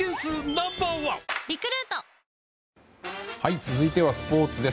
続いてはスポーツです。